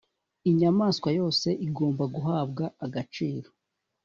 inyamaswa yose igomba guhabwa agaciro.